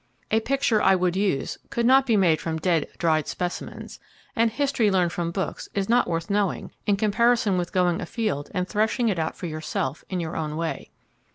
A picture I would use could not be made from dead, dried specimens, and history learned from books is not worth knowing, in comparison with going afield and threshing it out for yourself in your own way.